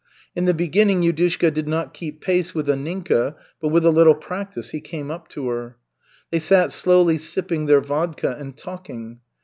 In the beginning Yudushka did not keep pace with Anninka, but with a little practice he came up to her. They sat slowly sipping their vodka and talking.